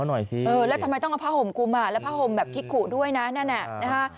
หรอแล้วทำไมต้องเอาผ้าห่มกุมมาแล้วผ้าห่มแบบคิดขู่ด้วยนะนั่นแหละ